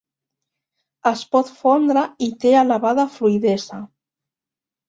Es pot fondre i té elevada fluïdesa.